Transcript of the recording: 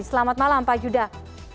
selamat malam pak judah